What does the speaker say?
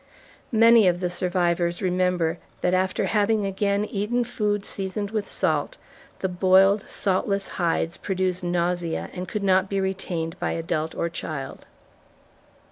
Many of the survivors remember that after having again eaten food seasoned with salt, the boiled, saltless hides produced nausea and could not be retained by adult or child.